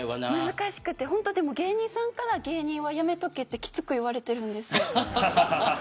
難しくって、芸人さんから芸人はやめとけってきつく言われてるんですよ。